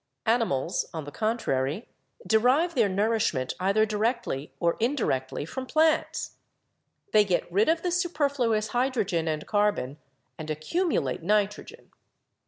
Animals, on the contrary, derive their nourishment either directly or indirectly from plants. They get rid of the superfluous hydrogen and carbon and accumulate nitrogen.